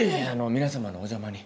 皆様のお邪魔に。